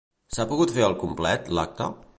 S'ha pogut fer al complet, l'acte?